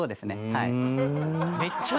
はい。